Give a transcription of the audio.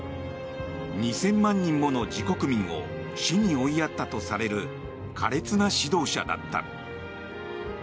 ２０００万人もの自国民を死に追いやったとされる苛烈な指導者だった。